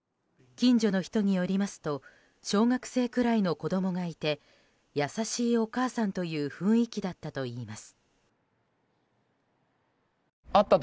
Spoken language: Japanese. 近所の人によりますと小学生くらいの子供がいて優しいお母さんという雰囲気だったといいます。